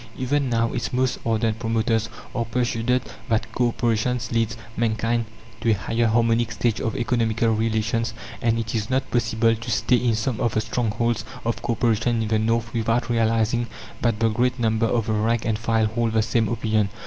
Even now, its most ardent promoters are persuaded that co operation leads mankind to a higher harmonic stage of economical relations, and it is not possible to stay in some of the strongholds of co operation in the North without realizing that the great number of the rank and file hold the same opinion.